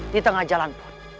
di tengah jalan pun